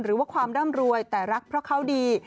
หรือว่าความร่ำรวยแต่รักเพราะเขาดี